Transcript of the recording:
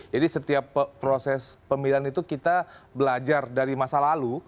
jadi setiap proses pemilihan itu kita belajar dari masa lalu